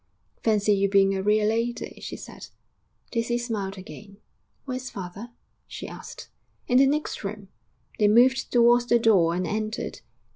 'Fancy you being a real lady!' she said. Daisy smiled again. 'Where's father?' she asked. 'In the next room.' They moved towards the door and entered.